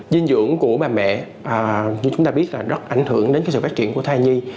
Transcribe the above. dinh dưỡng của bà mẹ như chúng ta biết là rất ảnh hưởng đến sự phát triển của thai nhi